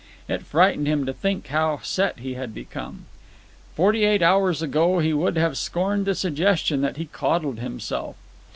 It frightened him to think how set he had become. Forty eight hours ago he would have scorned the suggestion that he coddled himself.